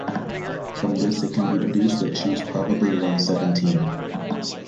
From this it can be deduced that she is probably around seventeen.